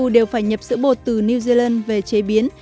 đều phải nhập sữa bột từ new zealand về chế biến